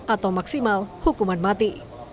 atau maksimal hukuman mati